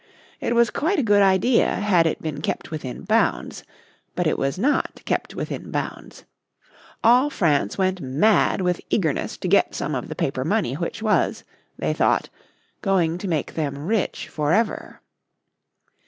It was quite a good idea had it been kept within bounds. But it was not kept within bounds. All France went mad with eagerness to get some of the paper money which was, they thought, going to make them rich forever.